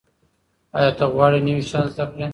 ایا ته غواړې نوي شیان زده کړې؟